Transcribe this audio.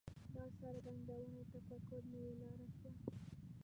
دا څرګندونه د تفکر نوې لاره شوه.